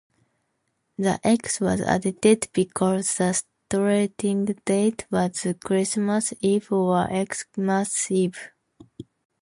The "X" was added because the starting date was Christmas Eve, or "X"mas eve.